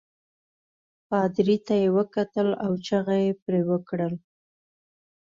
پادري ته یې وکتل او چغه يې پرې وکړل.